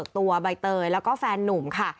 ตัวใบเตยแล้วก็แฟนนุ่มค่ะ